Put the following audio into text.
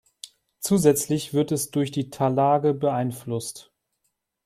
Zusätzlich wird es durch die Tallage beeinflusst.